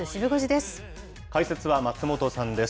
解説は松本さんです。